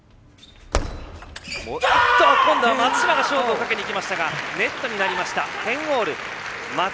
今度は松島が勝負をかけていきましたがネットになりました。